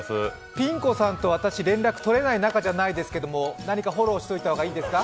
ピン子さんと私連絡取れない仲じゃないですが何かフォローしておいた方がいいですか？